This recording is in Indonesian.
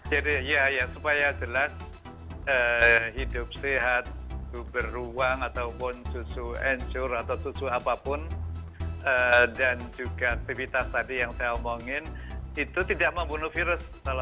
jadi supaya jelas hidup sehat beruang ataupun susu encur atau susu apapun dan juga aktivitas tadi yang saya omongin itu tidak membunuh virus